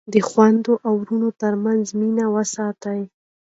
د خویندو او وروڼو ترمنځ مینه وساتئ.